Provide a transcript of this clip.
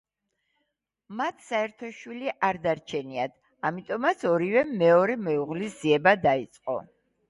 მათ საერთო შვილი არ დარჩენიათ, ამიტომაც ორივემ მეორე მეუღლის ძიება დაიწყო.